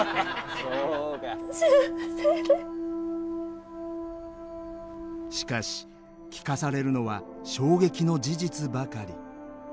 しかし聞かされるのは衝撃の事実ばかり。